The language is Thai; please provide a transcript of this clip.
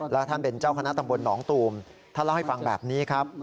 แล้วท่านเป็นเจ้าคณะตำบลหนองตูมท่านเล่าให้ฟังแบบนี้ครับ